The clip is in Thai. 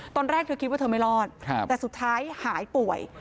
ตอนแรกเธอคิดว่าเธอไม่รอดแต่สุดท้ายหายป่วย